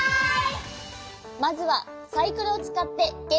はい！